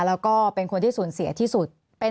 แล้วก็เป็นคนที่สูญเสียที่สุด